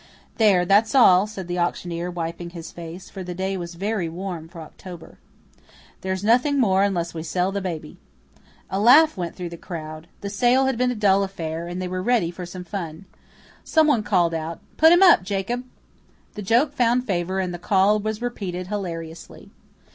"There, that's all," said the auctioneer, wiping his face, for the day was very warm for October. "There's nothing more unless we sell the baby." A laugh went through the crowd. The sale had been a dull affair, and they were ready for some fun. Someone called out, "Put him up, Jacob." The joke found favour and the call was repeated hilariously.